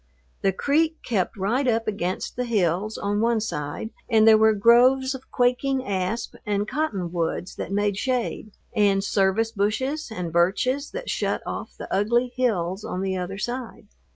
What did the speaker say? The creek kept right up against the hills on one side and there were groves of quaking asp and cottonwoods that made shade, and service bushes and birches that shut off the ugly hills on the other side.